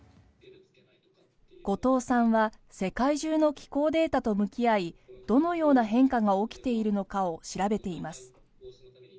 後藤さんは世界中の気候データと向き合いどのような変化が起きているのかを調べています。